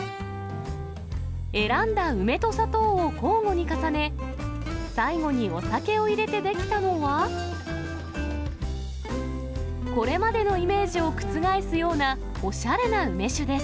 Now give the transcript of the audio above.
選んだ梅と砂糖を交互に重ね、最後にお酒を入れて出来たのは、これまでのイメージを覆すようなおしゃれな梅酒です。